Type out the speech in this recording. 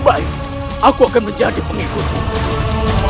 baik aku akan menjadi pengikutnya